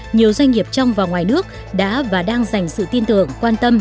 nhiều doanh nghiệp trong và ngoài nước đã và đang dành sự tin tưởng quan tâm